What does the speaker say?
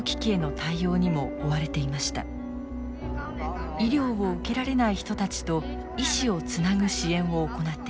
医療を受けられない人たちと医師をつなぐ支援を行っています。